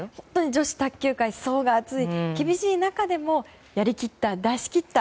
女子卓球界、層が厚い厳しい中でもやり切った、出し切った。